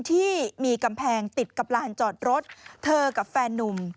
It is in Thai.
ที่มีกำแพงติดกับลานจอดรถเธอกับแฟนนุ่ม